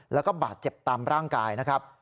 แล้วก็บาดเจ็บตามร่างกายนะครับ